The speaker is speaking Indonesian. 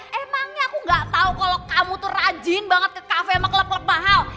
hah emangnya aku gak tahu kalau kamu tuh rajin banget ke kafe yang maklum maklum mahal